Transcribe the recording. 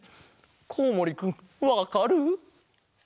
コウモリくんわかる？